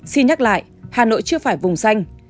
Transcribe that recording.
xin nhắc lại hà nội chưa phải vùng xanh